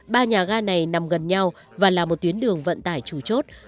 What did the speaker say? ba nhà ga này nằm gần nhau và là một tuyến đường vận tải chủ chốt